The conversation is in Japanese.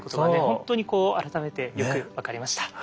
本当にこう改めてよく分かりました。